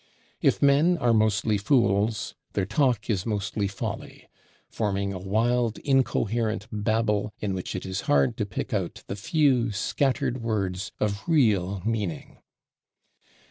If men are mostly fools, their talk is mostly folly; forming a wild incoherent Babel in which it is hard to pick out the few scattered words of real meaning.